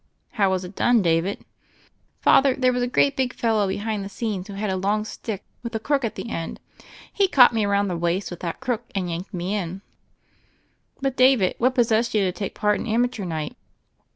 "How was It done, David?" "Father, there was a great big fellow behind the scenes who had a long stick with a crook at the end. He caught me around the waist with that crook and yanked me in." "But, David, what possessed you to take part in amateur night?"